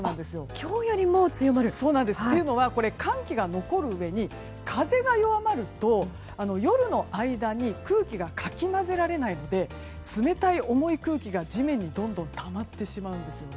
今日よりも強まる？というのは寒気が残るうえに風が弱まると夜の間に空気がかき混ぜられないので冷たい重い空気が地面にどんどんたまってしまうんですよね。